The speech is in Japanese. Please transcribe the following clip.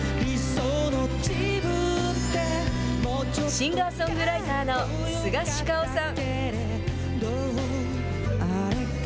シンガーソングライターのスガシカオさん。